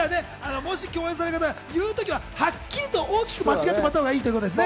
もし共演される方が言うときははっきりと間違ってもらったほうがいいっていうことですね。